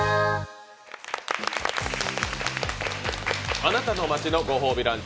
あなたの街のご褒美ランチ。